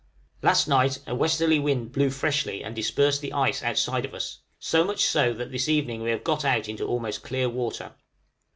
Last night a westerly wind blew freshly and dispersed the ice outside of us, so much so that this evening we have got out into almost clear water.